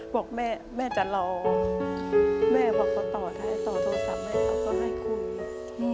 บอกแม่แม่จะรอแม่บอกเขาต่อให้ต่อโทรศัพท์แม่เขาก็ให้คู่เลย